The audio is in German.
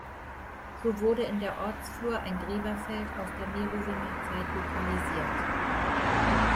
So wurde in der Ortsflur ein Gräberfeld aus der Merowingerzeit lokalisiert.